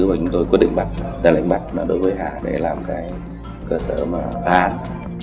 đối với quyết định mạch ra lệnh mạch là đối với hà để làm cái cơ sở mà à ừ ừ